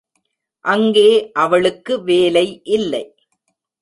அங்கே அவளுக்கு வேலை இல்லை.